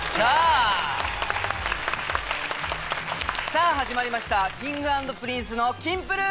さぁ始まりましたＫｉｎｇ＆Ｐｒｉｎｃｅの『キンプる。』！